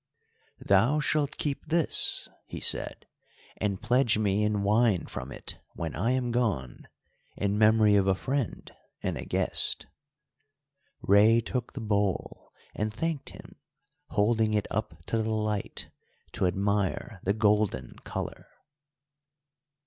"Thou shalt keep this," he said, "and pledge me in wine from it when I am gone, in memory of a friend and a guest." Rei took the bowl, and thanked him, holding it up to the light to admire the golden colour.